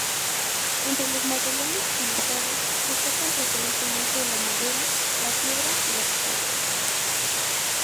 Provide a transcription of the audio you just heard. Entre los materiales utilizados, destacan preferentemente la madera, la piedra y la pizarra.